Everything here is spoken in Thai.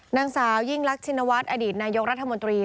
นางสาวยิ่งรักชินวัฒน์อดีตนายกรัฐมนตรี